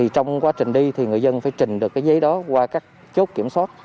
trong quá trình đi người dân phải trình được giấy đó qua các chốt kiểm soát